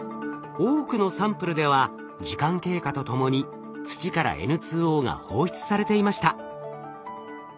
多くのサンプルでは時間経過とともに土からＮＯが放出されていました。